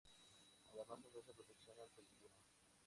Además ofrecen protección ante el clima.